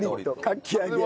かき揚げ。